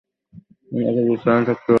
উনাকে বিশ্রামে থাকতে হবে!